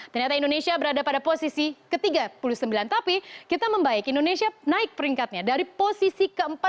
ternyata indonesia berada pada posisi ke tiga puluh sembilan tapi kita membaik indonesia naik peringkatnya dari posisi ke empat puluh